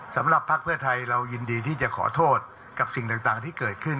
พักเพื่อไทยเรายินดีที่จะขอโทษกับสิ่งต่างที่เกิดขึ้น